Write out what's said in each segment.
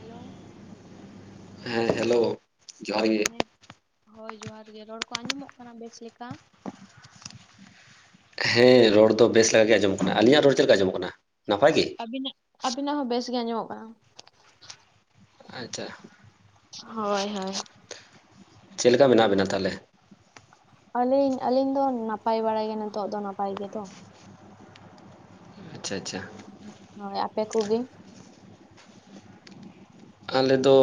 Hello. ᱦᱮᱸ hello. ᱱᱮᱨ ᱦᱳᱭ ᱡᱚᱦᱟᱨ ᱜᱮ ᱨᱚᱲ ᱠᱚ ᱟᱸᱡᱚᱢᱚᱜ ᱠᱟᱱᱟ ᱵᱮᱥ ᱞᱮᱠᱟ? ᱦᱮᱸ ᱨᱚᱲ ᱫᱚ ᱵᱮᱥ ᱞᱮᱠᱟ ᱜᱮ ᱟᱡᱚᱢᱚᱜ ᱠᱟᱱᱟ ᱾ ᱟᱞᱤᱧᱟᱜ ᱨᱚᱲ ᱪᱮᱫ ᱞᱮᱠᱟ ᱟᱡᱚᱢᱚᱜ ᱠᱟᱱᱟ, ᱱᱟᱯᱟᱭ ᱜᱮ? ᱵᱤᱱᱟᱜ ᱟᱵᱤᱱᱟᱜ ᱦᱚᱸ ᱵᱮᱥ ᱜᱮ ᱟᱸᱡᱚᱢᱚᱜ ᱠᱟᱱᱟ ᱾ ᱟᱪᱪᱷᱟ ᱾ ᱦᱳᱭ ᱦᱳᱭ ᱾ ᱪᱮᱫ ᱞᱮᱠᱟ ᱢᱮᱱᱟᱜ ᱵᱤᱱᱟ ᱛᱟᱦᱚᱞᱮ? ᱟᱹᱞᱤᱧ ᱟᱹᱞᱤᱧ ᱫᱚ ᱱᱟᱯᱟᱭ ᱵᱟᱲᱟ ᱜᱮ ᱱᱤᱛᱚᱜ ᱫᱚ ᱱᱟᱯᱟᱭ ᱜᱮᱛᱚ ᱾ ᱟᱪᱪᱷᱟ ᱟᱪᱪᱷᱟ᱾ ᱦᱳᱭ ᱟᱯᱮ ᱠᱚᱜᱮ? ᱟᱞᱮ ᱫᱚ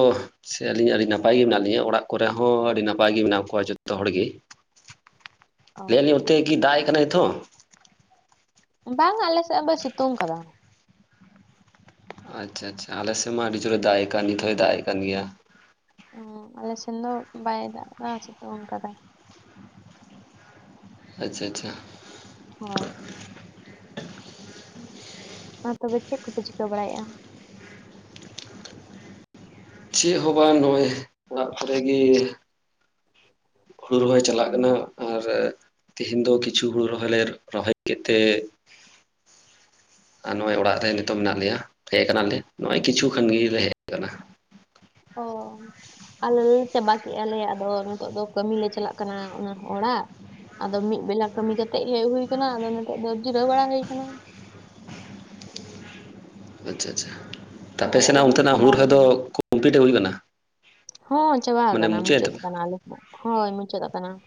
ᱥᱮ ᱟᱹᱞᱤᱧ ᱟᱹᱰᱤ ᱱᱟᱯᱟᱭ ᱜᱮ ᱢᱮᱱᱟᱜ ᱞᱤᱧᱟᱹ ᱚᱲᱟᱜ ᱠᱚᱨᱮ ᱦᱚᱸ ᱟᱹᱰᱤ ᱱᱟᱯᱟᱭ ᱜᱮ ᱢᱮᱱᱟᱜ ᱠᱚᱣᱟ ᱡᱚᱛᱚ ᱦᱚᱲᱜᱮ ᱚ ᱾ ᱞᱟᱹᱭ ᱟᱹᱞᱤᱧ ᱚᱱᱛᱮ ᱠᱤ ᱫᱟᱜ ᱮᱫ ᱠᱟᱱᱟᱭ ᱱᱤᱛᱳᱜ ᱦᱚᱸ? ᱵᱟᱝ-ᱟ ᱟᱞᱮ ᱥᱮᱫ ᱫᱚᱭ ᱥᱤᱛᱩᱝ ᱠᱟᱫᱟ ᱾ ᱟᱪᱪᱷᱟ ᱟᱪᱪᱷᱟ ᱟᱞᱮᱥᱮᱜ ᱢᱟ ᱟᱹᱰᱤ ᱡᱳᱨ ᱫᱟᱜ ᱮᱫᱽ ᱠᱟᱱ ᱱᱤᱛ ᱦᱚᱸᱭ ᱫᱟᱜ ᱮᱫᱽ ᱠᱟᱱ ᱜᱮᱭᱟ ᱾ ᱚᱸ ᱟᱞᱮ ᱥᱮᱱ ᱫᱚ ᱵᱟᱭ ᱫᱟᱜ ᱫᱟ, ᱥᱤᱛᱩᱝ ᱠᱟᱫᱟᱭ ᱾ ᱟᱪᱪᱷᱟ ᱟᱪᱪᱷᱟ ᱾ ᱦᱳᱭ ᱾ ᱟᱨ ᱛᱚᱵᱮ ᱪᱮᱫ ᱠᱚᱯᱮ ᱪᱤᱠᱟᱹ ᱵᱟᱲᱟᱭ-ᱟ? ᱪᱮᱫ ᱦᱚᱸ ᱵᱟᱝ ᱱᱚᱜᱼᱚᱭ ᱚᱲᱟᱜ ᱠᱚᱨᱮ ᱜᱮ ᱾ ᱦᱩᱲᱩ ᱨᱚᱦᱚᱭ ᱪᱟᱞᱟᱜ ᱠᱟᱱᱟ ᱟᱨ ᱛᱮᱦᱤᱧ ᱫᱚ ᱠᱤᱪᱷᱩ ᱦᱩᱲᱩ ᱨᱚᱦᱚᱭ ᱞᱮ ᱨᱚᱦᱚᱭ ᱠᱮᱫᱛᱮ ᱟᱨ ᱱᱚᱜᱼᱚᱭ ᱚᱲᱟᱜ ᱨᱮ ᱱᱤᱛᱳᱜ ᱢᱮᱱᱟᱜ ᱞᱮᱭᱟ ᱦᱮᱡ ᱠᱟᱱᱟᱞᱮ ᱱᱚᱜᱼᱚᱭ ᱠᱤᱪᱷᱩ ᱠᱷᱟᱱ ᱜᱮᱞᱮ ᱠᱟᱱᱟ ᱾ ᱚᱻ ᱟᱞᱮ ᱞᱮ ᱪᱟᱵᱟ ᱠᱮᱜᱼᱟ ᱞᱮ ᱟᱫᱚ ᱱᱤᱛᱚᱜ ᱫᱚ ᱠᱟᱹᱢᱤ ᱞᱮ ᱪᱟᱞᱟᱜ ᱠᱟᱱᱟ ᱚᱱᱟ ᱦᱚᱲᱟᱜ ᱟᱫᱚ ᱢᱤᱫ ᱵᱮᱞᱟ ᱠᱟᱹᱢᱤ ᱠᱟᱛᱮᱜ ᱦᱮᱜ ᱦᱩᱭ ᱠᱟᱱᱟ ᱟᱫᱚ ᱱᱤᱛᱚᱜ ᱫᱚ ᱡᱤᱨᱟᱹᱣ ᱵᱟᱲᱟ ᱦᱩᱭ ᱠᱟᱱᱟ ᱾ ᱟᱪᱪᱷᱟ ᱟᱪᱪᱷᱟ, ᱟᱯᱮ ᱦᱳᱭ ᱟᱞᱮ ᱥᱮᱱᱟᱜ ᱫᱚᱞᱮ ᱚᱱᱛᱮᱱᱟᱜ ᱦᱩᱲᱩ ᱪᱟᱵᱟᱣ ᱨᱚᱦᱚᱭ ᱫᱚ ᱠᱟᱱᱟ ᱠᱚᱢᱯᱞᱤᱴ ᱦᱩᱭ ᱠᱟᱱᱟ? ᱦᱚᱸ ᱪᱟᱵᱟᱣ ᱢᱟᱱᱮ ᱠᱟᱱᱟ ᱢᱩᱪᱟᱹᱫ ᱮᱱ ᱛᱟᱯᱮ ᱠᱟᱱᱟ ᱟᱫᱚ ᱦᱳᱭ ᱢᱩᱪᱟᱹᱫ ᱠᱟᱱᱟ ᱾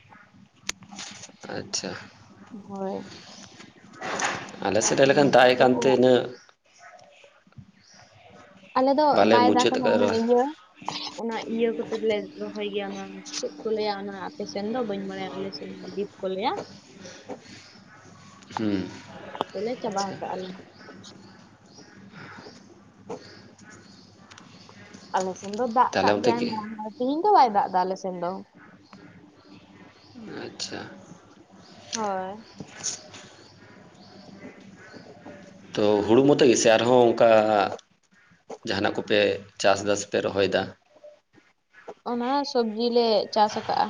ᱟᱪᱪᱷᱟ ᱾ ᱦᱳᱭ ᱾ ᱟᱞᱮ ᱥᱮᱫ ᱦᱮᱡ ᱞᱮᱠᱷᱟᱱ ᱫᱟᱜ ᱱᱤᱛᱚᱜ ᱮ ᱫᱚ ᱠᱟᱱᱛᱮ ᱚᱲᱟᱜ ᱤᱱᱟᱹᱜ ᱟᱞᱮ ᱫᱚ ᱵᱟᱞᱮ ᱵᱟᱭ ᱫᱟᱜ ᱢᱩᱪᱟᱹᱫ ᱟᱠᱟᱫ ᱢᱟᱱᱮ ᱨᱮᱦᱚᱸ ᱤᱭᱟᱹᱜ-ᱟ᱾ ᱚᱱᱟ ᱤᱭᱟᱹ ᱠᱚᱛᱮᱞᱮ ᱨᱚᱦᱚᱭ ᱜᱮᱭᱟ ᱞᱮ ᱚᱱᱟ ᱪᱮᱫ ᱠᱚ ᱞᱟᱹᱭᱟ ᱚᱱᱟ ᱟᱯᱮ ᱥᱮᱱ ᱫᱚ ᱵᱟᱹᱧ ᱵᱟᱲᱟᱭᱟ ᱟᱞᱮ ᱥᱮᱱ ᱫᱚ ᱫᱤ ᱠᱚ ᱞᱟᱹᱭᱟ᱾ ᱦᱩᱸ᱾ ᱠᱚᱛᱮ ᱞᱮ ᱪᱟᱵᱟ ᱠᱟᱜᱼᱟ ᱞᱮ ᱟᱞᱮ ᱥᱮᱱ ᱫᱚ ᱫᱟᱜ ᱛᱟᱦᱚᱞᱮ ᱠᱟᱜ ᱚᱱᱛᱮ ᱜᱮᱭᱟᱭ ᱠᱤ ᱢᱟᱲᱟᱝ, ᱛᱤᱦᱤᱧ ᱫᱚ ᱵᱟᱭ ᱫᱟᱜ ᱫᱟ ᱟᱞᱮ ᱥᱮᱱ ᱫᱚ᱾ ᱟᱪᱪᱷᱟ᱾ ᱦᱳᱭ᱾ ᱛᱚ ᱦᱩᱲᱩ ᱢᱚᱛᱚ ᱜᱮᱥᱮ ᱟᱨᱦᱚᱸ ᱚᱱᱠᱟ ᱡᱟᱦᱟᱱᱟᱜ ᱠᱚᱯᱮ ᱪᱟᱥᱫᱟ ᱥᱮᱯᱮ ᱨᱚᱦᱚᱭ ᱫᱟ? ᱚᱱᱟ ᱥᱚᱵᱽᱡᱤ ᱞᱮ ᱪᱟᱥ ᱠᱟᱜᱼᱟ᱾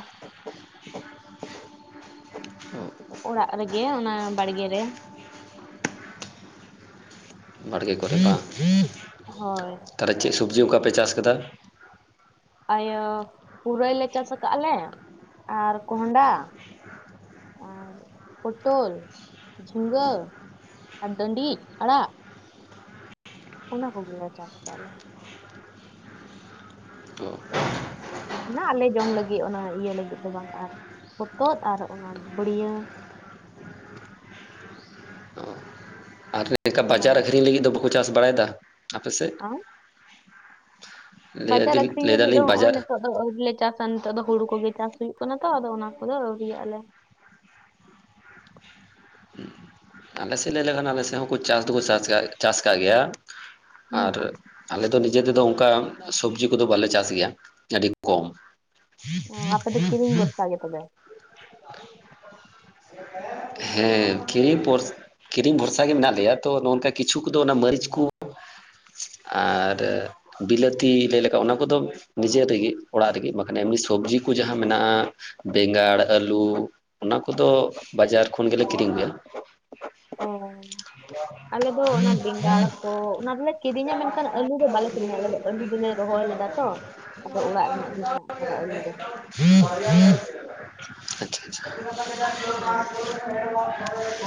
ᱚᱲᱟᱜ ᱨᱮᱜᱮ ᱚᱱᱟ ᱵᱟᱲᱜᱮ ᱨᱮ᱾ ᱵᱟᱲᱜᱮ ᱠᱚᱨᱮ ᱵᱟᱝ᱾ ᱦᱳᱭ ᱛᱟᱦᱞᱮ ᱪᱮᱫ ᱥᱚᱵᱽᱡᱤ ᱚᱱᱠᱟᱯᱮ ᱪᱟᱥ ᱠᱟᱫᱟ? ᱤᱭᱟᱹ ᱯᱩᱨᱟᱹᱭ ᱞᱮ ᱪᱟᱥ ᱠᱟᱜᱼᱟ ᱞᱮ ᱟᱨ ᱠᱚᱦᱸᱰᱟ ᱟᱨ ᱯᱚᱴᱚᱞ, ᱡᱷᱤᱸᱜᱟᱹ, ᱟᱨ ᱰᱟᱺᱰᱤᱡ ᱟᱲᱟᱜ᱾ ᱚᱱᱟ ᱠᱚᱜᱮ ᱞᱮ ᱪᱟᱥ ᱮᱫᱟ ᱟᱞᱮ᱾ ᱛᱚ ᱚᱱᱟ ᱟᱞᱮ ᱡᱚᱢ ᱞᱟᱹᱜᱤᱜ ᱚᱱᱟ ᱤᱭᱟᱹ ᱞᱟᱹᱜᱤᱫ ᱫᱚ ᱵᱟᱝ ᱟᱨ ᱦᱚᱛᱚᱫ ᱟᱨ ᱚᱱᱟ ᱵᱟᱹᱲᱤᱭᱟᱹ᱾ ᱚ, ᱟᱨ ᱚᱱᱠᱟ ᱵᱟᱡᱟᱨ ᱦᱳᱭ ᱟᱠᱷᱨᱤᱧ ᱞᱟᱹᱜᱤᱫ ᱫᱚ ᱵᱟᱠᱚ ᱪᱟᱥ ᱵᱟᱲᱟᱭ ᱫᱟ ᱟᱯᱮᱥᱮᱫ? ᱟᱸ ᱞᱟᱹᱭ ᱵᱟᱡᱟᱨ ᱫᱟᱞᱤᱧ ᱟᱹᱠᱷᱨᱤᱧ ᱞᱟᱹᱭ ᱞᱟᱜᱤᱫᱷ ᱫᱚ ᱫᱟᱞᱤᱧ ᱦᱚᱜᱼᱚᱭ ᱵᱟᱡᱟᱨ ᱱᱤᱛᱚᱜ ᱟᱫᱚ ᱟᱣᱨᱤ ᱞᱮ ᱪᱟᱥᱟ ᱱᱤᱛᱚᱜ ᱫᱚ ᱦᱩᱲᱩ ᱠᱚᱜᱮ ᱪᱟᱥ ᱦᱩᱭᱩᱜ ᱠᱟᱱᱟ ᱛᱚ ᱟᱫᱚ ᱚᱱᱟ ᱠᱚᱫᱚ ᱟᱹᱣᱨᱤᱭᱟᱜ-ᱟᱞᱮ᱾ ᱟᱞᱮ ᱥᱮᱫ ᱞᱟᱹᱭ ᱞᱮᱠᱷᱟᱱ ᱟᱞᱮᱥᱮᱫ ᱦᱚᱸᱠᱚ ᱪᱟᱥ ᱫᱚᱠᱚ ᱪᱟᱥ ᱠᱟᱜ, ᱪᱟᱥ ᱠᱟᱜ ᱜᱮᱭᱟ᱾ ᱦᱩᱸ ᱟᱨ ᱟᱞᱮ ᱫᱚ ᱱᱤᱡᱮ ᱛᱮᱫᱚ ᱚᱝᱠᱟ ᱥᱚᱵᱽᱡᱤ ᱠᱚᱫᱚ ᱵᱟᱞᱮ ᱪᱟᱥ ᱜᱮᱭᱟ ᱟᱹᱰᱤ ᱠᱚᱢ᱾ [inaudible] ᱤᱭᱟᱹ ᱛᱚᱵᱮ ᱦᱮᱸ ᱠᱤᱨᱤᱧ ᱵᱷᱚᱨ, ᱠᱤᱨᱤᱧ ᱵᱷᱚᱨᱥᱟ ᱜᱮ ᱢᱮᱱᱟᱜ ᱞᱮᱭᱟ ᱛᱚ ᱱᱚᱱᱛᱮ ᱠᱤᱪᱷᱩ ᱠᱚᱫᱚ ᱚᱱᱟ ᱢᱟᱹᱨᱤᱪ ᱠᱚ ᱟᱨ ᱵᱤᱞᱟᱹᱛᱤ ᱞᱟᱹᱭ ᱞᱮᱠᱷᱟᱡ ᱚᱱᱟ ᱠᱚᱫᱚ ᱱᱤᱡᱮ ᱛᱮᱜᱮ ᱚᱲᱟᱜ ᱨᱮᱜᱮ ᱢᱟᱱᱮ ᱮᱢᱱᱤ ᱥᱚᱵᱽᱡᱤ ᱠᱚ ᱡᱟᱦᱟᱸ ᱢᱮᱱᱟᱜᱼᱟ, ᱵᱮᱸᱜᱟᱲ, ᱟᱹᱞᱩ ᱚᱱᱟ ᱠᱚᱫᱚ ᱵᱟᱡᱟᱨ ᱠᱷᱚᱱ ᱜᱮᱞᱮ ᱠᱤᱨᱤᱧ ᱟᱹᱜᱩᱭᱟ ᱾ ᱚ, ᱟᱞᱮ ᱫᱚ ᱚᱱᱟ ᱵᱮᱸᱜᱟᱲ ᱛᱚ ᱚᱱᱟ ᱫᱚᱞᱮ ᱠᱤᱨᱤᱧᱟ, ᱢᱮᱱᱠᱷᱟᱱ ᱟᱹᱞᱩ ᱫᱚ ᱵᱟᱞᱮ ᱠᱤᱨᱤᱧᱟ ᱾ ᱟᱞᱮ ᱫᱚ ᱟᱹᱞᱩ ᱫᱚᱞᱮ ᱨᱚᱦᱚᱭ ᱞᱮᱫᱟ ᱛᱚ ᱾ ᱟᱫᱚ ᱚᱲᱟᱜ ᱨᱮᱱᱟᱜ ᱜᱮ ᱦᱮᱱᱟᱜ ᱟᱠᱟᱫᱟ ᱟᱹᱞᱩ ᱫᱚ ᱦᱟᱸᱜ ᱾ ᱟᱪᱪᱷᱟ ᱟᱪᱪᱷᱟ ᱦᱳᱭ [inaudible] [unintelligible]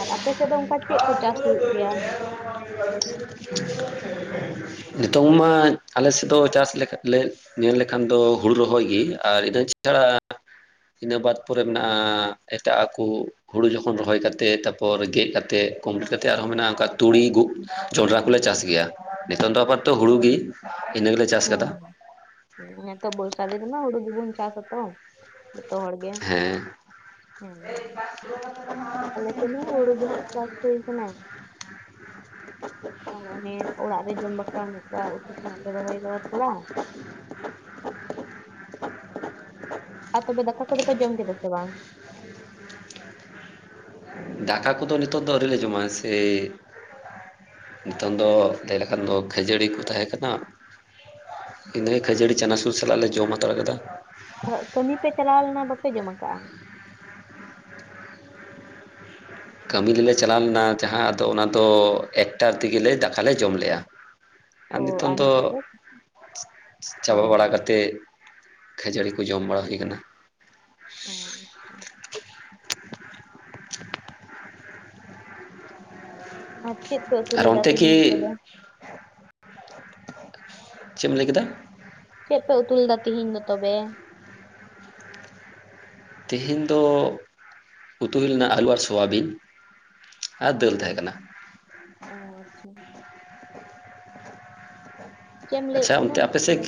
ᱟᱨ ᱟᱯᱮ ᱥᱮᱫ ᱫᱚ ᱚᱱᱠᱟ ᱪᱮᱫ ᱠᱚ ᱪᱟᱥ ᱦᱩᱭᱩᱜ ᱜᱮᱭᱟ ᱱᱤᱛᱚᱝ ᱢᱟ ᱟᱞᱮ ᱥᱮᱫ ᱫᱚ ᱪᱟᱥ ᱞᱮᱠᱟ ᱞᱮ ᱧᱮᱞ ᱞᱮᱠᱷᱟᱱ ᱫᱚ ᱦᱩᱲᱩ ᱨᱚᱦᱚᱭ ᱜᱮ ᱟᱨ ᱤᱴᱟᱹ ᱪᱤᱴᱷᱟᱸ ᱤᱱᱟᱹ ᱵᱟᱫ ᱯᱚᱨᱮ ᱢᱮᱱᱟᱜᱼᱟ ᱮᱴᱟᱜ ᱟᱠᱳ ᱾ ᱦᱩᱲᱩ ᱡᱚᱠᱷᱚᱱ ᱨᱚᱦᱚᱭ ᱠᱟᱛᱮ ᱛᱟᱯᱚᱨ ᱜᱮᱫ ᱠᱟᱛᱮ ᱠᱚᱢ ᱵᱮᱥᱤ ᱠᱟᱛᱮ ᱟᱨᱦᱚᱸ ᱢᱮᱱᱟᱜᱼᱟ ᱚᱱᱠᱟ ᱛᱩᱲᱤ ᱜᱩ ᱡᱚᱸᱰᱨᱟ ᱠᱚᱞᱮ ᱪᱟᱥ ᱜᱮᱭᱟ ᱱᱤᱛᱚᱝ ᱫᱚ ᱟᱯᱟᱛᱚᱛᱚ ᱦᱮᱸ ᱦᱩᱲᱩᱜᱤ, ᱤᱱᱟᱹ ᱜᱮᱞᱮ ᱪᱟᱥ ᱟᱠᱟᱫᱟ ᱦᱮᱸ ᱾ ᱦᱮᱸ ᱛᱚ, ᱵᱚᱨᱥᱟ ᱫᱤᱱ ᱨᱮ ᱢᱟ ᱦᱩᱲᱩ ᱜᱤᱵᱩᱱ ᱪᱟᱥ ᱟᱛᱚ ᱡᱚᱛᱚ ᱦᱚᱲ ᱜᱮ ᱦᱮᱸ ᱾ ᱦᱮᱸ ᱦᱩᱸ, ᱟᱞᱮ ᱥᱮᱱ ᱦᱚᱸ ᱦᱩᱲᱩ ᱜᱮ ᱦᱟᱸᱜ ᱪᱟᱥ ᱦᱩᱭ ᱟᱠᱟᱱᱟ ᱾ ᱟᱨ ᱚᱱᱮ ᱚᱲᱟᱜ ᱨᱮ ᱡᱚᱢ ᱵᱟᱠᱷᱨᱟ ᱢᱟᱱᱮ ᱱᱚᱝᱠᱟ ᱩᱛᱩ ᱛᱮᱱᱟᱜ ᱞᱮ ᱨᱚᱦᱚᱭ ᱠᱟᱫᱟ ᱛᱷᱚᱲᱟ ᱾ ᱟᱨ ᱛᱚᱵᱮ ᱫᱟᱠᱟ ᱠᱚᱫᱚ ᱯᱮ ᱡᱚᱢ ᱠᱮᱫᱟ ᱥᱮ ᱵᱟᱝ? ᱫᱟᱠᱟ ᱠᱚᱫᱚ ᱱᱤᱛᱚᱜ ᱫᱚ ᱟᱹᱣᱨᱤ ᱞᱮ ᱡᱚᱢᱟ, ᱥᱮ ᱱᱤᱛᱚᱝ ᱫᱚ ᱞᱟᱹᱭ ᱞᱮᱠᱷᱟᱱ ᱫᱚ ᱠᱷᱟᱹᱡᱟᱹᱲᱤ ᱠᱚ ᱛᱟᱦᱮᱸ ᱠᱟᱱᱟ ᱾ ᱤᱱᱟᱹ ᱠᱷᱟᱹᱡᱟᱹᱲᱤ ᱪᱟᱱᱟᱥᱩᱨ ᱥᱟᱞᱟᱜ ᱞᱮ ᱡᱚᱢ ᱦᱟᱛᱟᱲ ᱠᱟᱫᱟ ᱾ ᱠᱟᱹᱢᱤ ᱯᱮ ᱪᱟᱞᱟᱣ ᱞᱮᱱᱟ ᱵᱟᱯᱮ ᱡᱚᱢᱟ ᱠᱟᱜᱼᱟ? ᱠᱟᱹᱢᱤ ᱨᱮᱞᱮ ᱪᱟᱞᱟᱣ ᱞᱮᱱᱟ ᱡᱟᱦᱟᱸ ᱟᱫᱚ ᱚᱱᱟ ᱫᱚ ᱮᱠᱴᱟ ᱛᱮ ᱜᱮᱞᱮ ᱫᱟᱠᱟ ᱞᱮ ᱡᱚᱢ ᱞᱮᱜᱼᱟ ᱾ ᱟᱨ ᱱᱤᱛᱚᱝ ᱫᱚ ᱪᱟᱵᱟ ᱦᱳᱭ ᱵᱟᱲᱟ ᱦᱳᱭ ᱠᱟᱛᱮ ᱠᱷᱟᱹᱡᱟᱹᱲᱤ ᱠᱚ ᱡᱚᱢ ᱵᱟᱲᱟ ᱦᱩᱭ ᱠᱟᱱᱟ ᱾ [unintelligible] ᱟᱨ ᱪᱮᱫ ᱯᱮ ᱩᱛᱩ ᱟᱨ ᱞᱮᱫᱟ ᱚᱱᱛᱮ ᱛᱮᱦᱮᱧ ᱠᱤ ᱜᱟᱯᱟ ᱫᱚ? ᱪᱮᱫ ᱮᱢ ᱞᱟᱹᱭ ᱠᱮᱫᱟ? ᱪᱮᱫ ᱯᱮ ᱩᱛᱩ ᱞᱮᱫᱟ ᱛᱤᱦᱤᱧ ᱫᱚ ᱛᱚᱵᱮ? ᱛᱮᱦᱮᱧ ᱫᱚ ᱩᱛᱩ ᱦᱩᱭ ᱞᱮᱱᱟ ᱟᱹᱞᱩ ᱟᱨ ᱥᱚᱣᱟᱵᱤᱱ ᱾ ᱚ, ᱚ ᱟᱪᱪᱷᱟ ᱾ ᱪᱮᱫ ᱮᱢ ᱞᱟᱹᱭᱮᱫ ᱟᱪᱪᱷᱟ, ᱛᱟᱦᱮᱱᱟ ᱚᱱᱛᱮ ᱟᱯᱮ ᱥᱮᱫ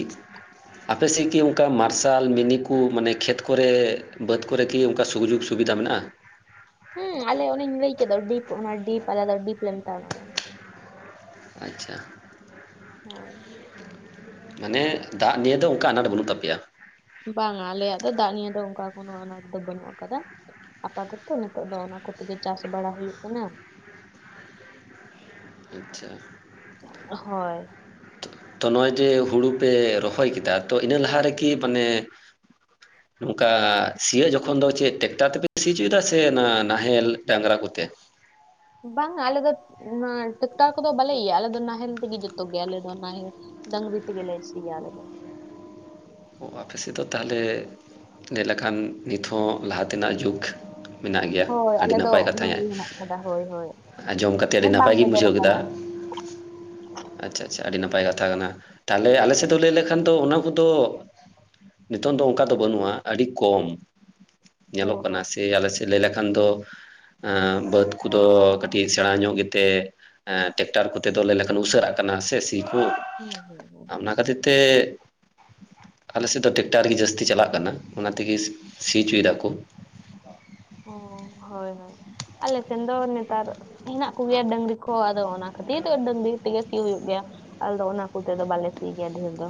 ᱟᱯᱮ ᱥᱮᱫ ᱠᱤ ᱚᱱᱠᱟ ᱢᱟᱨᱥᱟᱞ, ᱢᱤᱱᱤ ᱠᱚ ᱢᱟᱱᱮ ᱠᱷᱮᱛ ᱠᱚᱨᱮ ᱵᱟᱹᱫᱽ ᱠᱚᱨᱮ ᱠᱤ ᱚᱱᱠᱟ ᱥᱩᱡᱚᱜᱽ ᱥᱩᱵᱤᱫᱷᱟ ᱢᱮᱱᱟᱜᱼᱟ? ᱦᱮᱸ, ᱟᱞᱮ ᱚᱱᱮᱧ ᱞᱟᱹᱭ ᱠᱮᱫ ᱰᱤᱯ ᱚᱱᱟ ᱰᱤᱯ ᱟᱞᱮ ᱫᱚ ᱰᱤᱯ ᱞᱮ ᱢᱮᱛᱟᱜᱼᱟ ᱚᱱᱟ ᱫᱚ ᱾ ᱟᱪᱪᱷᱟ ᱾ ᱦᱳᱭ ᱾ ᱢᱟᱱᱮ ᱫᱟᱜ ᱱᱤᱭᱮ ᱫᱚ ᱚᱱᱠᱟ ᱟᱱᱟᱴ ᱵᱟᱹᱱᱩᱜ ᱛᱟᱯᱮᱭᱟ ᱾ ᱵᱟᱝᱟ ᱟᱞᱮᱭᱟᱜ ᱫᱚ ᱫᱟᱜ ᱱᱤᱭᱮ ᱫᱚ ᱚᱱᱠᱟ ᱠᱳᱱᱚ ᱟᱱᱟᱴ ᱫᱚ ᱵᱟᱹᱱᱩᱜ ᱟᱠᱟᱫᱟ ᱾ ᱟᱯᱟᱛᱚᱛᱚ ᱱᱤᱛᱚᱜ ᱫᱚ ᱚᱱᱟ ᱠᱚᱛᱮ ᱜᱮ ᱪᱟᱥ ᱵᱟᱲᱟ ᱦᱩᱭᱩᱜ ᱠᱟᱱᱟ ᱾ ᱟᱪᱪᱷᱟ ᱾ ᱦᱳᱭ ᱾ ᱛᱚ ᱱᱚᱜᱼᱚᱭ ᱡᱮ ᱦᱩᱲᱩ ᱯᱮ ᱨᱚᱦᱚᱭ ᱠᱮᱫᱟ ᱛᱚ ᱤᱱᱟᱹ ᱞᱟᱦᱟ ᱨᱮ ᱠᱤ ᱢᱟᱱᱮ [unintelligible] ᱱᱚᱝᱠᱟ ᱥᱤᱭᱳᱜ ᱡᱚᱠᱷᱚᱱ ᱫᱚ ᱪᱮᱫ ᱴᱮᱠᱴᱟᱨ ᱛᱮᱯᱮ ᱥᱤ ᱚᱪᱚᱭᱮᱫᱟ ᱥᱮ ᱱᱟᱦᱮᱞ ᱰᱟᱝᱨᱟ ᱠᱚᱛᱮ ᱾ ᱵᱟᱝᱟ ᱟᱞᱮ ᱫᱚ ᱚᱱᱟ ᱴᱮᱠᱴᱟᱨ ᱠᱚ ᱫᱚ ᱵᱟᱞᱮ ᱤᱭᱟ ᱟᱞᱮ ᱫᱚ ᱱᱟᱦᱮᱞ ᱛᱮᱜᱮ ᱡᱚᱛᱚ ᱜᱮ ᱟᱞᱮ ᱫᱚ ᱱᱟᱦᱮᱞ ᱰᱟᱝᱨᱤ ᱛᱮ ᱜᱮᱞᱮ ᱥᱤᱭᱟ ᱟᱞᱮ ᱫᱚ ᱾ ᱚ, ᱟᱯᱮ ᱥᱮᱫ ᱫᱚ ᱛᱟᱦᱚᱞᱮ ᱧᱮᱞ ᱞᱮᱠᱷᱟᱱ ᱱᱤᱛ ᱦᱚᱸ ᱞᱟᱦᱟ ᱛᱮᱱᱟᱜ ᱡᱩᱜᱽ ᱢᱮᱱᱟᱜ ᱜᱮᱭᱟ ᱦᱳᱭ ᱟᱹᱰᱤ ᱟᱞᱮ ᱫᱚ ᱱᱟᱯᱟᱭ ᱠᱟᱛᱷᱟ ᱚᱱᱟ ᱜᱮ ᱦᱮᱱᱟᱜ ᱟᱠᱟᱫᱟ ᱦᱳᱭ ᱦᱳᱭ ᱾ ᱟᱸᱡᱚᱢ ᱠᱟᱛᱮ ᱟᱹᱰᱤ ᱦᱮᱸ ᱱᱟᱯᱟᱭ ᱵᱟᱝ ᱜᱤᱧ ᱵᱚᱫᱚᱞ ᱵᱩᱡᱷᱟᱹᱣ ᱠᱮᱫᱟ ᱟᱠᱟᱱᱟ ᱾ ᱟᱪᱪᱷᱟ ᱟᱪᱪᱷᱟ, ᱟᱹᱰᱤ ᱱᱟᱯᱟᱭ ᱠᱟᱛᱷᱟ ᱠᱟᱱᱟ ᱾ ᱛᱟᱦᱚᱞᱮ ᱟᱞᱮ ᱥᱮᱫ ᱫᱚ ᱞᱟᱹᱭ ᱞᱮᱠᱷᱟᱱ ᱫᱚ ᱚᱱᱟ ᱠᱚᱫᱚ ᱱᱤᱛᱚᱝ ᱫᱚ ᱚᱱᱠᱟ ᱫᱚ ᱵᱟᱹᱱᱩᱜᱼᱟ ᱟᱹᱰᱤ ᱠᱚᱢ ᱚ ᱧᱮᱞᱚᱜ ᱠᱟᱱᱟ ᱦᱚᱸ ᱥᱮ ᱟᱞ ᱥᱮᱫ ᱞᱟᱹᱭ ᱞᱮᱠᱷᱟᱱ ᱫᱚ ᱵᱟᱹᱫᱽ ᱠᱚᱫᱚ ᱠᱟᱹᱴᱤᱡ ᱥᱮᱬᱟ ᱧᱚᱜ ᱜᱮᱛᱮ ᱴᱠᱴᱟᱨ ᱠᱚᱛᱮ ᱫᱚ ᱞᱟᱹᱭ ᱞᱮᱠᱷᱟᱱ ᱩᱥᱟᱹᱨᱟᱜ ᱠᱟᱱᱟ ᱥᱮ ᱥᱤ ᱠᱚ ᱦᱩᱸ ᱦᱩᱸ ᱦᱩᱸ ᱚᱱᱟ ᱠᱷᱟᱹᱛᱤᱨ ᱛᱮ ᱟᱞᱮᱥᱮᱫ ᱫᱚ ᱴᱮᱠᱴᱟᱨ ᱜᱮ ᱡᱟᱹᱥᱛᱤ ᱪᱟᱞᱟᱜ ᱠᱟᱱᱟ ᱚᱱᱟ ᱛᱮᱜᱮ ᱥᱤᱪᱚᱭ ᱫᱟᱠᱚ ᱚ ᱦᱳᱭ ᱦᱳᱭ ᱟᱞᱮ ᱥᱮᱱ ᱫᱚ ᱱᱮᱛᱟᱨ ᱦᱮᱱᱟᱜ ᱠᱚᱜᱮᱭᱟ ᱰᱟᱹᱝᱨᱤ ᱠᱚ ᱟᱫᱚ ᱚᱱᱟ ᱠᱷᱟᱹᱛᱤᱨ ᱛᱮ ᱰᱟᱹᱝᱨᱤ ᱛᱮᱜᱮ ᱥᱤ ᱦᱩᱭᱩᱜ ᱜᱮᱭᱟ ᱟᱞᱮ ᱫᱚ ᱚᱱᱟ ᱠᱚᱛᱮ ᱫᱚ ᱵᱟᱞᱮ ᱥᱤ ᱜᱮᱭᱟ ᱰᱷᱮᱨ ᱫᱚ᱾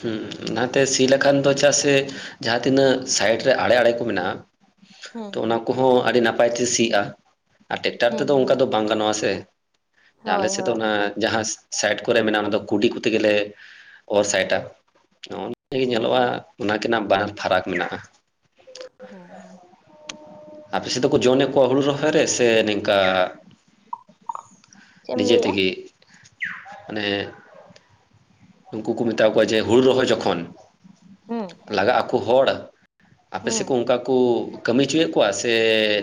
ᱦᱮᱸ ᱚᱱᱟᱛᱮ ᱥᱤ ᱞᱮᱠᱷᱟᱱ ᱫᱚ ᱪᱮᱫᱟᱜ ᱥᱮ ᱡᱟᱦᱟᱸ ᱛᱤᱱᱟᱹᱜ ᱥᱟᱭᱤᱰ ᱨᱮ ᱟᱲᱮ ᱟᱲᱮ ᱠᱚ ᱢᱮᱱᱟᱜᱼᱟ ᱦᱩᱸ ᱛᱚ ᱦᱩᱸ ᱚᱱᱟ ᱠᱚᱦᱚᱸ ᱟᱹᱰᱤ ᱱᱟᱯᱟᱭ ᱛᱮ ᱥᱤᱜᱼᱟ ᱟᱨ ᱴᱮᱠᱴᱟᱨ ᱦᱮᱸ ᱛᱮᱫᱚ ᱚᱱᱠᱟ ᱦᱮᱸ ᱫᱚ ᱵᱟᱝ ᱜᱟᱱᱚᱜᱼᱟ ᱥᱮ ᱟᱞᱮ ᱦᱳᱭ ᱥᱮ ᱫᱚ ᱦᱳᱭ ᱚᱱᱟ ᱡᱟᱦᱟᱸ ᱥᱟᱭᱤᱴ ᱠᱚᱨᱮ ᱢᱮᱱᱟᱜᱼᱟ ᱚᱱᱟ ᱫᱚ ᱠᱩᱰᱤ ᱠᱚᱛᱮ ᱜᱮᱮᱞᱮ ᱚᱨ ᱥᱟᱭᱤᱴᱟ᱾ ᱱᱚᱜᱼ ᱱᱚ ᱜᱮ ᱧᱮᱞᱚᱜᱼᱟ ᱚᱱᱟᱠᱤᱱᱟᱜ ᱵᱟᱱᱟᱨ ᱯᱷᱟᱨᱟᱠ ᱢᱮᱱᱟᱜᱼᱟ᱾ [unintelligible] ᱟᱯᱮ ᱥᱮᱫ‌ ᱫᱚ ᱡᱚᱱᱮ ᱠᱚ ᱦᱩᱲᱩ ᱨᱚᱦᱚᱭ ᱥᱮ ᱱᱤᱝᱠᱟ ᱪᱮᱫ ᱮᱢ ᱱᱤᱡᱮ ᱞᱟᱹᱭᱮᱜᱼᱟ? ᱛᱤᱜᱤ ᱢᱟᱱᱮ ᱩᱱᱠᱩ ᱠᱚ ᱢᱮᱛᱟ ᱠᱚᱣᱟ ᱡᱮ ᱦᱩᱲᱩ ᱨᱚᱦᱚᱭ ᱡᱚᱠᱷᱚᱱ ᱦᱩᱸ ᱞᱟᱜᱟᱜ ᱟᱠᱚ ᱦᱚᱲ ᱠᱚ ᱟᱯᱮ ᱦᱩᱸ ᱥᱮᱜ ᱚᱱᱠᱟ ᱠᱩ ᱠᱟᱹᱢᱤ ᱦᱚᱪᱚᱭᱮ ᱠᱚᱣᱟ ᱥᱮ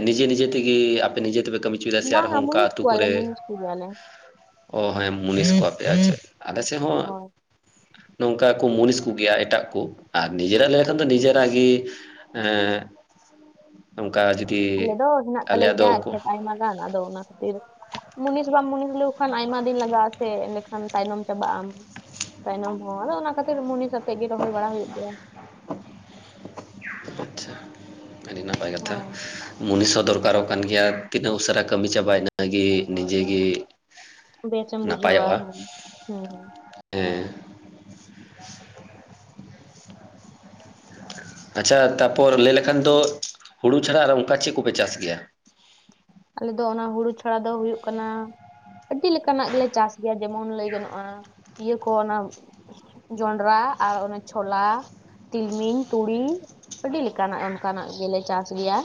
ᱱᱤᱡᱮ ᱱᱤᱡᱮ ᱛᱮᱜᱮ ᱟᱯᱮ ᱱᱤᱡᱮ ᱛᱮᱯᱮ ᱠᱟᱹᱢᱤ ᱪᱮᱫᱟᱜ ᱥᱮ ᱵᱟᱝᱟ ᱟᱨᱦᱚᱸ ᱚᱱᱠᱟ ᱢᱩᱱᱤᱥ ᱟᱹᱛᱩ ᱠᱚᱣᱟᱞᱮ ᱠᱚᱨᱮ ᱢᱩᱱᱤᱥ ᱠᱚᱜᱮᱭᱟᱞᱮ ᱚ ᱦᱮᱸ ᱢᱩᱱᱤᱥ ᱠᱚ ᱟᱯᱮ ᱟ ᱟᱞᱮ ᱥᱮᱫ ᱦᱚᱸ ᱦᱳᱭ ᱱᱚᱝᱠᱟ ᱠᱚ ᱢᱩᱱᱤᱥ ᱠᱚᱜᱮᱭᱟ ᱮᱴᱟᱜ ᱠᱚ ᱟᱨ ᱱᱤᱡᱮᱨᱟᱜ ᱞᱟᱹᱭ ᱞᱮᱠᱷᱟᱱ ᱫᱚ ᱱᱤᱡᱮᱨᱟᱜ ᱜᱤ ᱦᱮᱸ ᱚᱝᱠᱟ ᱡᱩᱫᱤ ᱟᱞᱮ ᱫᱚ ᱦᱮᱱᱟᱜ ᱛᱟᱞᱮ ᱟᱞᱮᱭᱟᱜ ᱫᱚ ᱜᱮᱭᱟ ᱠᱚ ᱠᱷᱮᱛ ᱟᱭᱢᱟ ᱜᱟᱱ ᱟᱫᱚ ᱚᱱᱟ ᱠᱚ ᱠᱷᱟᱹᱛᱤᱨ ᱢᱩᱱᱤᱥ ᱵᱟ ᱢᱩᱱᱤᱥ ᱦᱩᱭᱩᱜ ᱠᱷᱟᱱ ᱟᱭᱢᱟ ᱫᱤᱱ ᱞᱟᱜᱟᱜ ᱟᱥᱮ ᱮᱸᱰᱮᱠᱷᱟᱱ ᱛᱟᱭᱱᱚᱢ ᱪᱟᱵᱟᱜ ᱟᱢ ᱛᱟᱭᱱᱚᱢ ᱦᱚᱸ ᱟᱫᱚ ᱚᱱᱟ ᱠᱷᱟᱹᱛᱤᱨ ᱢᱩᱱᱤ ᱥᱟᱛᱮᱜ ᱜᱮ ᱨᱚᱦᱚᱭ ᱵᱟᱲᱟ ᱦᱩᱭᱩᱜ ᱜᱮᱭᱟ ᱟᱪᱪᱷᱟ ᱟᱹᱰᱤ ᱱᱟᱯᱟᱭ ᱠᱟᱛᱷᱟ ᱦᱳᱭ ᱢᱩᱱᱤᱥ ᱦᱚᱸ ᱫᱚᱨᱠᱟᱨᱚᱜ ᱠᱟᱱ ᱜᱮᱭᱟ ᱛᱤᱱᱟᱹᱜ ᱩᱥᱟᱹᱨᱟ ᱠᱟᱹᱢᱤ ᱪᱟᱵᱟᱭ ᱤᱱᱟᱹᱜᱤ ᱱᱤᱡᱮ ᱜᱤ ᱵᱮᱥᱮᱢ ᱵᱩᱡᱷᱟᱹᱣᱟ [inaudible] ᱦᱩᱸᱦᱩ ᱦᱮᱸ ᱟᱪᱪᱷᱟ ᱛᱟᱯᱚᱨ ᱞᱟᱹᱭ ᱞᱮᱠᱷᱟᱱ ᱫᱚ ᱦᱩᱲᱩ ᱪᱷᱟᱲᱟ ᱟᱨ ᱚᱱᱠᱟ ᱪᱮᱫ ᱠᱚᱯᱮ ᱪᱟᱥ ᱜᱮᱭᱟ ᱟᱞᱮ ᱫᱚ ᱚᱱᱟ ᱦᱩᱲᱩ ᱪᱷᱟᱲᱟ ᱫᱚ ᱦᱩᱭᱩᱜ ᱠᱟᱱᱟ ᱟᱹᱰᱤ ᱞᱮᱠᱟᱱᱟᱜ ᱜᱮᱞᱮ ᱪᱟᱥ ᱜᱮᱭᱟ ᱡᱮᱢᱚᱱ ᱞᱟᱹᱭ ᱜᱟᱱᱚᱜᱼᱟ ᱤᱭᱟᱹ ᱠᱚ ᱚᱱᱟ ᱡᱚᱱᱰᱨᱟ ᱟᱨ ᱚᱱᱮ ᱪᱷᱚᱞᱟ ᱛᱤᱞᱢᱤᱧ ᱛᱩᱲᱤ ᱟᱹᱰᱤ ᱞᱮᱠᱟᱱᱟᱜ ᱚᱱᱠᱟᱱᱟᱜ ᱜᱮᱞᱮ ᱪᱟᱥ ᱜᱮᱭᱟ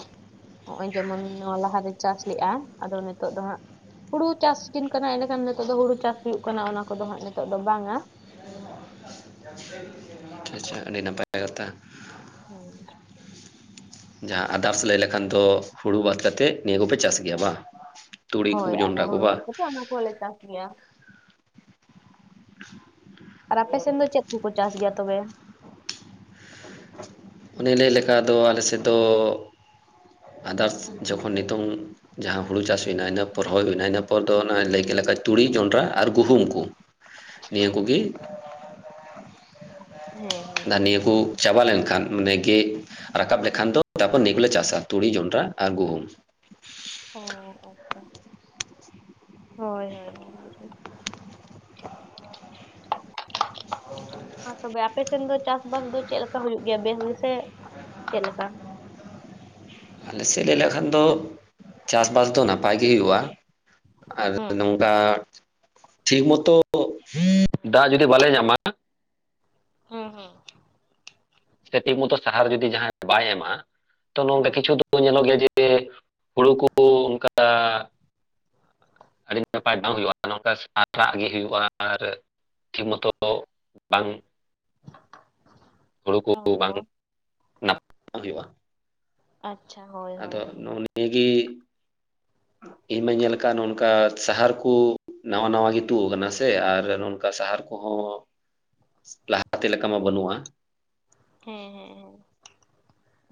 ᱱᱚᱜᱼᱚᱭ ᱡᱮᱢᱚᱱ ᱱᱚᱣᱟ ᱞᱟᱦᱟᱨᱮ ᱪᱟᱥ ᱞᱮᱜᱼᱟ ᱟᱫᱚ ᱱᱤᱛᱚᱜ ᱫᱚ ᱦᱟᱸᱜ ᱦᱩᱲᱩ ᱪᱟᱥᱤᱡᱤᱱ ᱠᱟᱱᱟ ᱮᱰᱮᱠᱷᱟᱱ ᱱᱤᱛᱚᱜ ᱫᱚ ᱦᱩᱲᱩ ᱪᱟᱥ ᱦᱩᱭᱩᱜ ᱠᱟᱱᱟ ᱚᱱᱟ ᱠᱚᱫᱚ ᱦᱟᱸᱜ ᱱᱤᱛᱚᱜ ᱫᱚ ᱵᱟᱝ-ᱟ [unintelligible] ᱟᱪᱪᱷᱟ ᱟᱹᱰᱤ ᱱᱟᱯᱟᱭ [inaudible] ᱠᱟᱛᱟ [inaudible] [unintelligible] ᱡᱟᱦᱟᱸ ᱟᱫᱟᱨᱥ ᱞᱟᱹᱭ ᱞᱮᱠᱷᱟᱱ ᱫᱚ ᱦᱩᱲᱩ ᱵᱟᱫ ᱠᱟᱛᱮᱫ ᱱᱤᱭᱟᱹ ᱠᱚᱯᱮ ᱪᱟᱥ ᱜᱮᱭᱟ ᱵᱟ ᱦᱳᱭ ᱟᱨ ᱦᱩᱲᱩ ᱵᱟᱛ ᱠᱟᱛᱮᱜ ᱚᱱᱟ ᱠᱚᱞᱮ ᱪᱟᱥ ᱜᱮᱭᱟ ᱟᱨ ᱟᱯᱮᱥᱱ ᱫᱚ ᱪᱮᱫ ᱠᱚᱠᱚ ᱪᱟᱥ ᱜᱮᱭᱟ ᱛᱚᱵᱮ ᱚᱱᱮ ᱞᱟᱹᱭ ᱞᱮᱠᱟᱫᱚ ᱟᱞᱮ ᱥᱮᱫ ᱫᱚ ᱟᱫᱟᱨᱥ ᱡᱚᱠᱷᱚᱱ ᱱᱤᱛᱚᱝ ᱡᱟᱦᱟᱸ ᱦᱩᱲᱩ ᱪᱟᱥ ᱦᱩᱭ ᱱᱟ ᱤᱱᱟᱹ ᱯᱚᱨ ᱦᱚ ᱦᱩᱭ ᱱᱟ ᱤᱱᱟᱹ ᱯᱚᱨ ᱫᱚ ᱚᱱᱟ ᱞᱟᱹᱭ ᱠᱮᱜ ᱞᱮᱠᱟ ᱛᱩᱲᱤ ᱡᱚᱱᱰᱨᱟ ᱟᱨ ᱜᱩᱦᱩᱢ ᱠᱚ ᱱᱤᱭᱟᱹ ᱠᱚᱜᱤ ᱦᱮᱸ ᱦᱮᱸ ᱫᱟ ᱱᱤᱭᱟᱹ ᱠᱟᱹ ᱵᱩᱡᱷᱟᱹᱣ᱾ ᱪᱟᱵᱟ ᱞᱮᱱᱠᱷᱟᱱ ᱢᱟᱱᱮ ᱜᱮᱜ ᱨᱟᱠᱟᱵ ᱞᱮᱠᱷᱟᱱ ᱫᱚ ᱛᱟᱨᱯᱚᱨ ᱱᱤᱭᱟᱹ ᱠᱚᱞᱮ ᱪᱟᱥᱟ ᱛᱩᱲᱤ, ᱡᱚᱱᱰᱨᱟ ᱟᱨ ᱜᱩᱦᱩᱢ ᱾ ᱚᱻ [unintelligible] ᱦᱳᱭ ᱦᱳᱭ [unintelligible] ᱟᱨ ᱛᱚᱵᱮ ᱟᱯᱮ ᱥᱮᱱ ᱫᱚ ᱪᱟᱥᱵᱟᱥ ᱫᱚ ᱪᱮᱫᱞᱮᱠᱟ ᱦᱩᱭᱩᱜ ᱜᱮᱭᱟ ᱵᱮᱥ ᱜᱮᱥᱮ ᱪᱮᱫᱞᱮᱠᱟ? ᱟᱞᱮ ᱥᱮᱫ ᱞᱟᱹᱭ ᱞᱮᱠᱷᱟᱱ ᱫᱚ ᱪᱟᱥ ᱵᱟᱥ ᱫᱚ ᱱᱟᱯᱟᱭ ᱜᱮ ᱦᱩᱭᱩᱜᱼᱟ ᱟᱨ ᱦᱮᱸ ᱱᱚᱝ ᱫᱟ ᱴᱷᱤᱠ ᱢᱚᱛᱚ ᱫᱟᱜ ᱡᱩᱫᱤ ᱵᱟᱞᱮ ᱧᱟᱢᱟ ᱚ ᱦᱩᱸ ᱥᱮ ᱴᱷᱤᱠ ᱢᱚᱛᱚ ᱥᱟᱦᱟᱨ ᱡᱩᱫᱤ ᱡᱟᱦᱟᱸᱭ ᱵᱟᱭ ᱮᱢᱟ ᱛᱚ ᱱᱚᱝᱠᱟ ᱦᱮᱸ ᱠᱤᱪᱷᱩ ᱫᱚ ᱧᱮᱞᱚᱜ ᱜᱮᱭᱟ ᱡᱮ ᱦᱩᱲᱩ ᱠᱚ ᱚᱱᱠᱟ ᱟᱹᱰᱤ ᱱᱟᱯᱟᱭ ᱵᱟᱝ ᱦᱩᱭᱩᱜᱼᱟ, ᱱᱚᱝᱠᱟ ᱟᱨᱟᱜ ᱜᱮ ᱦᱩᱭᱩᱜᱼᱟ ᱟᱨ ᱴᱷᱤᱠ ᱢᱚᱛᱚ ᱫᱚ ᱵᱟᱝ ᱦᱩᱲᱩ ᱠᱚ ᱚ ᱵᱟᱝ ᱦᱚ ᱱᱟᱯ [inaudible] ᱦᱩᱭᱩᱜᱼᱟ᱾ ᱟᱪᱪᱷᱟ ᱦᱳᱭ᱾ ᱟᱫᱚ ᱦᱳᱭ ᱦᱮᱸ ᱱᱚᱜᱼᱚ ᱱᱤᱭᱟᱹᱜᱤ ᱤᱧ ᱢᱟᱧ ᱧᱮᱞ ᱠᱟᱜᱼᱟ ᱱᱚᱝᱠᱟ ᱥᱟᱦᱟᱨ ᱠᱩ ᱱᱟᱶᱟ ᱱᱟᱶᱟ ᱜᱮ ᱛᱩᱜ ᱟᱠᱟᱱᱟ ᱥᱮ ᱟᱨ ᱱᱚᱝᱠᱟ ᱥᱟᱦᱟᱨ ᱠᱚᱦᱚᱸ ᱞᱟᱦᱟᱛᱮ ᱞᱮᱠᱟ ᱢᱟ ᱵᱟᱹᱱᱩᱜᱼᱟ᱾ ᱦᱮᱸ ᱦᱮᱸ ᱦᱮᱸ᱾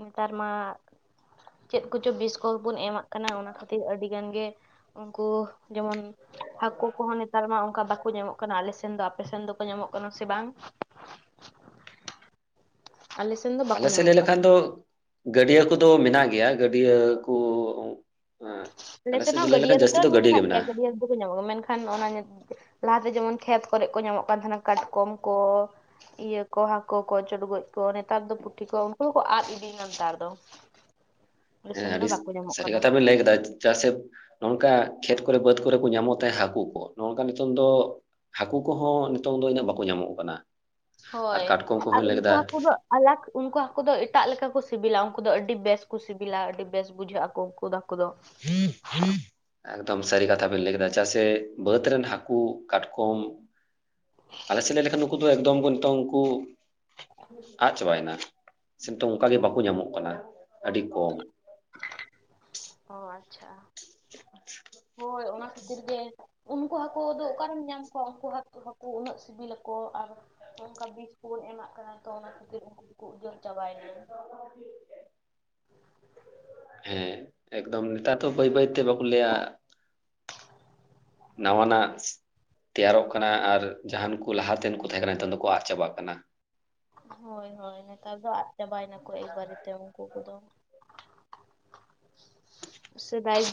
ᱱᱮᱛᱟᱨ ᱢᱟ ᱪᱮᱫ ᱠᱚᱪᱚ ᱵᱤᱥᱠᱚ ᱜᱮᱵᱥᱱ ᱵᱚᱱ ᱮᱢᱟᱜ ᱠᱟᱱᱟ ᱚᱱᱟ ᱠᱷᱟᱹᱛᱤᱨ ᱟᱹᱰᱤ ᱜᱟᱱ ᱜᱮ ᱩᱱᱠᱩ ᱡᱮᱢᱚᱱ ᱦᱟᱹᱠᱩ ᱠᱚᱦᱚᱸ ᱱᱮᱛᱟᱨ ᱢᱟ ᱚᱱᱠᱟ ᱵᱟᱠᱚ ᱧᱟᱢᱚᱜ ᱠᱟᱱᱟ ᱟᱞᱮ ᱥᱮᱱ ᱫᱚ, ᱟᱯᱮ ᱥᱮᱱ ᱫᱚᱠᱚ ᱧᱟᱢᱚᱜ ᱠᱟᱱᱟ ᱥᱮ ᱵᱟᱝ? ᱟᱞᱮ ᱥᱮᱱ ᱫᱚ ᱵᱟᱠᱚ ᱟᱞᱮ ᱥᱮᱜ ᱞᱟᱹᱭ ᱧᱟᱢᱚᱜ ᱠᱟᱱᱟ ᱞᱮᱠᱷᱟᱱ ᱫᱚ ᱜᱟᱹᱰᱤᱭᱟᱹ ᱠᱚᱫᱚ ᱢᱮᱱᱟᱜ ᱜᱮᱭᱟ, ᱜᱟᱹᱰᱤᱭᱟᱹ ᱠᱚ ᱟᱞᱮ ᱥᱮᱫ ᱦᱚᱸ ᱞᱟᱹᱭ ᱜᱟᱹᱰᱤᱭᱟᱹ ᱞᱮᱠᱷᱟᱱ ᱨᱮᱫᱚ ᱡᱟᱹᱥᱛᱤ ᱫᱚ ᱜᱟᱹᱰᱭᱟᱹ ᱜᱮ ᱢᱮᱱᱟᱜ ᱢᱮᱱᱟᱜᱼᱟ ᱜᱮᱭᱟ ᱜᱟᱹᱰᱤᱭᱟᱹ᱾ ᱠᱩᱠᱚ ᱧᱟᱢᱚᱜ-ᱟ᱾ ᱢᱮᱱᱠᱷᱟᱱ ᱚᱱᱟ ᱞᱟᱦᱟᱛᱮ ᱡᱮᱢᱚᱱ ᱠᱷᱮᱛ ᱠᱚᱨᱮᱜ ᱠᱚ ᱧᱟᱢᱚᱜ ᱠᱟᱱ ᱛᱟᱦᱮᱱᱟ ᱠᱟᱴᱠᱚᱢ ᱠᱚ᱾ ᱤᱭᱟᱹ ᱠᱚ ᱦᱟᱹᱠᱩ ᱠᱚ ᱪᱚᱰᱜᱚᱡ ᱠᱚ ᱱᱮᱛᱟᱨ ᱫᱚ ᱯᱩᱴᱷᱤ ᱠᱚ ᱩᱱᱠᱩ ᱦᱚᱸᱠᱚ ᱟᱫᱽ ᱤᱫᱤᱭᱱᱟ ᱱᱮᱛᱟᱨ ᱫᱚ᱾ ᱟᱞᱮ ᱦᱮᱸ ᱥᱮᱱ ᱫᱚ ᱟᱹᱰᱤ ᱵᱟᱠᱚ ᱧᱟᱢᱚᱜ ᱥᱟᱹᱨᱤ ᱠᱟᱱᱟ ᱠᱟᱛᱷᱟ ᱵᱮᱱ ᱞᱟᱹᱭ ᱠᱮᱫᱟ ᱪᱮᱫᱟᱜ ᱥᱮ ᱱᱚᱝᱠᱟ ᱠᱷᱮᱛ ᱠᱚᱨᱮ ᱵᱟᱹᱫᱽ ᱠᱚᱨᱮ ᱠᱚ ᱧᱟᱢᱚᱜ ᱛᱟᱸᱦᱮ ᱦᱟᱹᱠᱩ ᱠᱚ ᱱᱚᱝᱠᱟ ᱱᱤᱛᱟᱹᱝ ᱫᱚ ᱦᱟᱹᱠᱩ ᱠᱚᱦᱚᱸ ᱱᱤᱛᱟᱹᱝ ᱫᱚ ᱤᱱᱟᱹᱜ ᱵᱟᱠᱚ ᱧᱟᱢᱚᱜ ᱠᱟᱱᱟ᱾ ᱟᱨ ᱦᱳᱭ ᱠᱟᱴᱠᱚᱢ ᱟᱨ ᱠᱚᱦᱚᱸᱧ ᱞᱟᱹᱭ ᱩᱱᱠᱩ ᱠᱮᱫᱟ ᱦᱟᱹᱠᱩ ᱫᱚ ᱟᱞᱟᱠ ᱩᱱᱠᱩ ᱦᱟᱹᱠᱩ ᱫᱚ ᱮᱴᱟᱜ ᱞᱮᱠᱟ ᱠᱚ ᱥᱤᱵᱤᱞᱟ᱾ ᱩᱱᱠᱩ ᱫᱚ ᱟᱹᱰᱤ ᱵᱮᱥ ᱠᱚ ᱥᱤᱵᱤᱞᱟ ᱟᱹᱰᱤ ᱵᱮᱥ ᱵᱩᱡᱷᱟᱹᱜ ᱟᱠᱚ᱾ ᱠᱩ ᱫᱚ ᱦᱟᱹᱠᱩ ᱫᱚ᱾ [inaudible] ᱮᱠᱫᱚᱢ ᱥᱟᱹᱨᱤ ᱠᱟᱛᱷᱟ ᱵᱤᱱ ᱞᱟᱹᱭ ᱠᱮᱫᱟ᱾ ᱪᱮᱫᱟᱜ ᱥᱮ ᱵᱟᱹᱫᱽ ᱨᱮᱱ ᱦᱟᱹᱠᱩ, ᱠᱟᱴᱠᱚᱢ ᱟᱞᱮ ᱥᱮᱫ ᱞᱟᱹᱭ ᱞᱮᱠᱷᱟᱱ ᱩᱱᱠᱩ ᱫᱚ ᱮᱠᱫᱚᱢ ᱠᱚ ᱱᱤᱛᱟᱹᱝ ᱠᱩ ᱟᱫ ᱪᱟᱵᱟᱭᱱᱟ᱾ ᱥᱤ ᱱᱤᱛᱚᱝ ᱚᱱᱠᱟᱜᱮ ᱵᱟᱠᱚ ᱧᱟᱢᱚᱜ ᱠᱟᱱᱟ ᱟᱹᱰᱤ ᱠᱚᱢ᱾ ᱚ ᱟᱪᱪᱷᱟ᱾ ᱦᱳᱭ ᱚᱱᱟ ᱠᱷᱟᱹᱛᱤᱨ ᱜᱮ ᱩᱱᱠᱩ ᱦᱟᱹᱠᱳ ᱫᱚ ᱚᱠᱟᱨᱮᱢ ᱧᱟᱢ ᱠᱚᱣᱟ, ᱩᱱᱠᱩ ᱦᱟᱠ-ᱦᱟᱹᱠᱩ ᱩᱱᱟᱹᱜ ᱥᱤᱵᱤᱞᱟᱠᱚ ᱟᱨ ᱚᱱᱠᱟ ᱵᱤᱡ ᱠᱚᱵᱚᱱ ᱮᱢᱟᱜ ᱠᱟᱱᱟ ᱛᱚ ᱚᱱᱟ ᱠᱷᱟᱹᱛᱤᱨ ᱩᱱᱠᱩ ᱫᱚᱠᱚ ᱩᱡᱟᱹᱨ ᱪᱟᱵᱟᱭᱱᱟ᱾ [inaudible] ᱦᱮᱸ ᱮᱠᱫᱚᱢ ᱱᱮᱛᱟᱨ ᱫᱚ ᱵᱟᱹᱭ ᱵᱟᱹᱭ ᱛᱮ ᱵᱟᱠᱚ ᱞᱟᱹᱭᱟ ᱱᱟᱣᱟᱱᱟᱜ ᱛᱮᱭᱟᱨᱚᱜ ᱠᱟᱱᱟ ᱟᱨ ᱡᱟᱦᱟᱱ ᱠᱚ ᱞᱟᱦᱟ ᱛᱮᱱ ᱠᱚ ᱛᱟᱦᱮᱸ ᱠᱟᱱᱟ ᱱᱤᱛᱟᱹᱝ ᱫᱚᱠᱚ ᱟᱫᱽ ᱪᱟᱵᱟᱜ ᱠᱟᱱᱟ᱾ ᱦᱳᱭ ᱦᱳᱭ ᱱᱮᱛᱟᱨ ᱫᱚ ᱟᱫᱽ ᱪᱟᱵᱟᱭ ᱱᱟᱠᱚ ᱮᱠᱵᱟᱨᱮᱛᱮ ᱩᱱᱠᱩ ᱠᱚᱫᱚ᱾ ᱥᱮᱫᱟᱭ